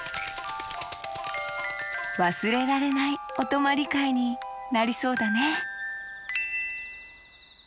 わすれられないおとまりかいになりそうだね